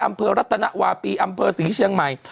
อำเภอรัฐนะวาปีอำเภอศรีเชียงใหม่